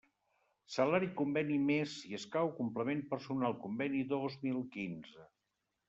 Salari Conveni més, si escau, Complement personal Conveni dos mil quinze.